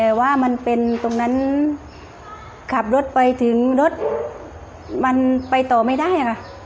แต่ว่ามันเป็นตรงนั้นขับรถไปถึงรถมันไปต่อไม่ได้ค่ะ